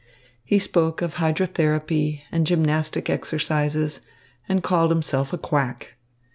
He spoke of hydrotherapy and gymnastic exercises, and called himself a quack.